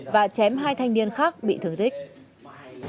và chém hai thanh niên khác bị thương thích